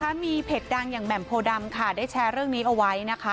มีเพจดังอย่างแหม่มโพดำค่ะได้แชร์เรื่องนี้เอาไว้นะคะ